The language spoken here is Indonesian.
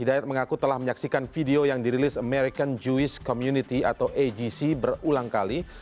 saya sudah mengaksikan video yang dirilis american jewish community berulang kali